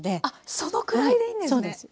そのくらいでいいんですね。